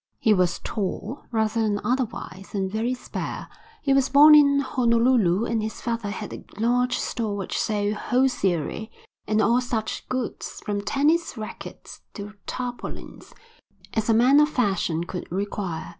He was tall rather than otherwise and very spare. He was born in Honolulu and his father had a large store which sold hosiery and all such goods, from tennis racquets to tarpaulins, as a man of fashion could require.